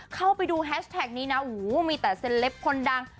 เข้าไปดูแฮชแท็กนี้นะโอ้โหมีแต่เซลปคนดัง